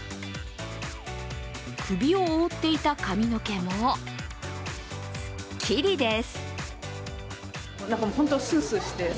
首を覆っていた髪の毛もスッキリです。